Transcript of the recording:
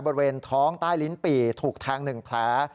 บริเวณท้องใต้ลิ้นปี่ถูกแทง๑แผล